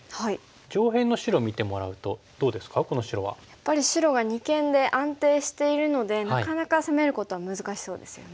やっぱり白が二間で安定しているのでなかなか攻めることは難しそうですよね。